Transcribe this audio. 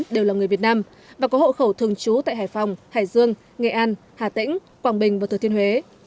đều là người việt nam và có hộ khẩu thường trú tại hải phòng hải dương nghệ an hà tĩnh quảng bình và thừa thiên huế